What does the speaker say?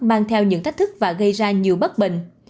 mang theo những thách thức và gây ra nhiều bất bình